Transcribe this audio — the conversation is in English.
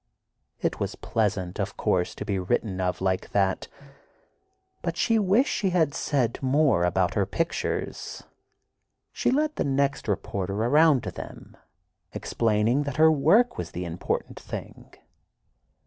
It was pleasant, of course, to be written of like that, but she wished he had said more about her pictures. She led the next reporter around to them, explaining that her work was the important thing.